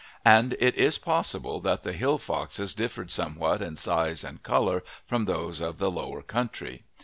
And it is possible that the hill foxes differed somewhat in size and colour from those of the lower country.